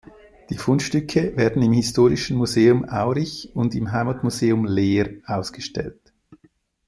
Die Fundstücke werden im Historischen Museum Aurich und im Heimatmuseum Leer ausgestellt.